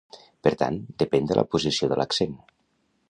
Per tant, depèn de la posició de l'accent.